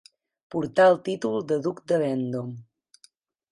Portà el títol de duc de Vendôme.